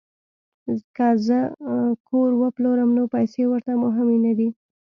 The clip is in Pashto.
که زه کور وپلورم نو پیسې ورته مهمې نه دي